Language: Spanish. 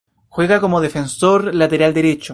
Juega como defensor lateral derecho.